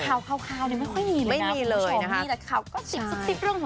ครอบคราวไม่ค่อยมีเลยนะคะ